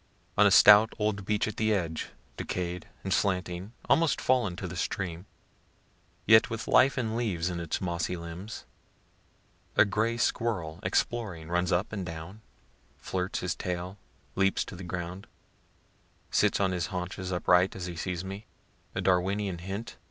On a stout old beech at the edge, decayed and slanting, almost fallen to the stream, yet with life and leaves in its mossy limbs, a gray squirrel, exploring, runs up and down, flirts his tail, leaps to the ground, sits on his haunches upright as he sees me, (a Darwinian hint?)